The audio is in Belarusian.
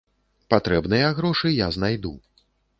Патрэбныя грошы я знайду.